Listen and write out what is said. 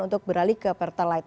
untuk beralih ke pertalite